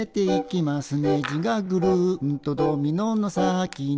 「ねじがぐるんとドミノの先に」